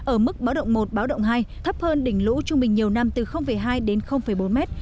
ở mức báo động một báo động hai thấp hơn đỉnh lũ trung bình nhiều năm từ hai đến bốn mét